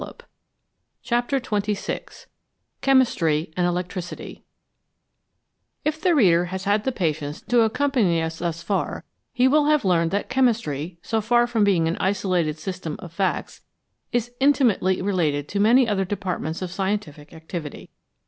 289 CHAPTER XXVI CHEMISTRY AND ELECTRICITY IF the reader has had the patience to accompany us thus far, he will have learned that chemistry, so far from being an isolated system of facts, is intimately related to many other departments of scientific activity.